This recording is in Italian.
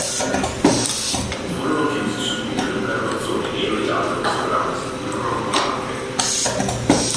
Furono chiusi subito in un carrozzone nero e giallo che sembrava un sepolcro ambulante.